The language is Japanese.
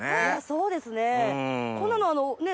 そうですね。